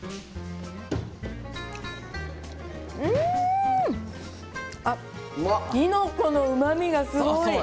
うんきのこのうまみがすごい。